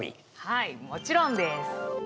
はいもちろんです。